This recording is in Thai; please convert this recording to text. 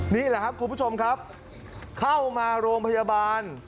นี่แหละครับคุณผู้ชมครับเข้ามาโรงพยาบาล